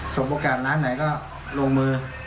โอกาสร้านไหนก็ลงมือ